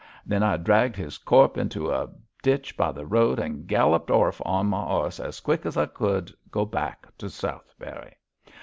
Then I dragged his corp into a ditch by the road, and galloped orf on m' oss as quick as I cud go back to Southberry.